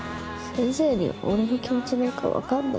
先生に俺の気持ちなんか分かんの？